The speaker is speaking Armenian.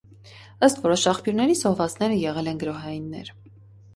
Ըստ որոշ աղբյուրների զոհվածները եղել են գրոհայիններ։